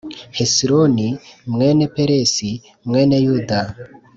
Hesironi mwene Peresi mwene Yuda